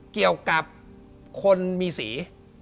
เกี่ยวกับคนมีสี